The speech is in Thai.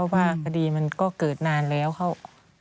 ว่าคดีมันก็เกิดนานแล้วเขา